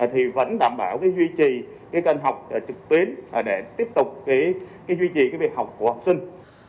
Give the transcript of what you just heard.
thì vẫn đảm bảo duy trì cái kênh học trực tuyến để tiếp tục duy trì việc học của học sinh